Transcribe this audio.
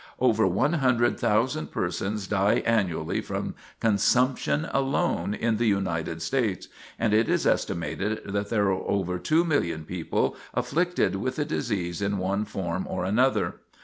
Over one hundred thousand persons die annually from consumption alone in the United States, and it is estimated that there are over two million people afflicted with the disease in one form or another.